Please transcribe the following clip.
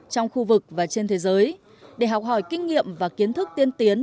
trong khu vực và trên thế giới để học hỏi kinh nghiệm và kiến thức tiên tiến